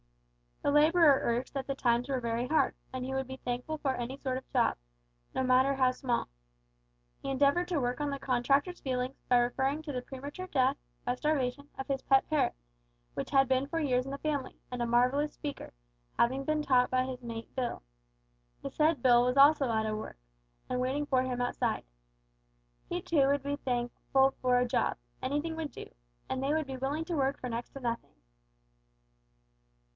The labourer urged that the times were very hard, and he would be thankful for any sort of job, no matter how small. He endeavoured to work on the contractor's feelings by referring to the premature death, by starvation, of his pet parrot, which had been for years in the family, and a marvellous speaker, having been taught by his mate Bill. The said Bill was also out of work, and waiting for him outside. He too would be thankful for a job anything would do, and they would be willing to work for next to nothing.